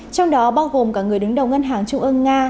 trong đó bao gồm cả người đứng đầu ngân hàng trung ương nga